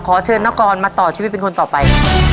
เชิญนกรมาต่อชีวิตเป็นคนต่อไป